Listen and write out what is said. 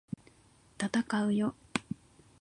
闘うよ！！